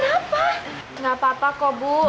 tidak apa apa bu